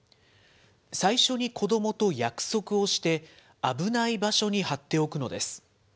最初に子どもと約束をして、危ない場所に貼っておくのです。